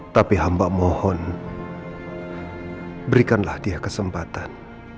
tapi hamba mohon berikanlah dia kesempatan